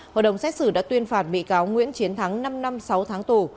hội đồng xét xử đã tuyên phạt bị cáo nguyễn chiến thắng năm năm sáu tháng tù